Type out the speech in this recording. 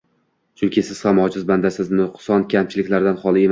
Chunki siz ham ojiz bandasiz, nuqson-kamchilikdan xoli emassiz.